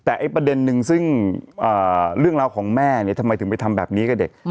แต่ประเด็นนึงซึ่งเรื่องราวของแม่เนี่ยทำไมถึงไปทำแบบนี้กับเด็ก